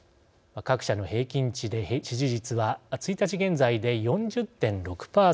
各社の平均値で支持率は１日現在で４０．６％